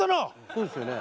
そうですよね。